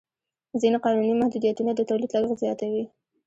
ځینې قانوني محدودیتونه د تولید لګښت زیاتوي.